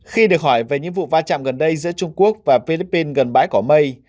khi được hỏi về những vụ va chạm gần đây giữa trung quốc và philippines gần bãi cỏ mây